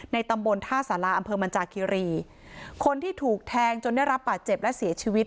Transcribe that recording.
ตำบลท่าสาราอำเภอมันจากคิรีคนที่ถูกแทงจนได้รับบาดเจ็บและเสียชีวิต